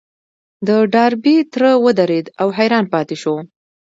د ډاربي تره ودرېد او حيران پاتې شو.